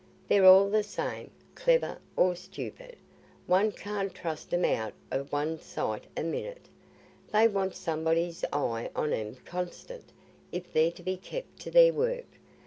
They're all the same, clever or stupid—one can't trust 'em out o' one's sight a minute. They want somebody's eye on 'em constant if they're to be kept to their work.